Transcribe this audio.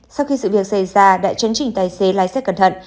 sau khi sự việc xảy ra đã chấn trình tài xế lái xe cẩn thận